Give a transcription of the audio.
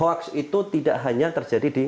hoax itu tidak hanya terjadi di satu kota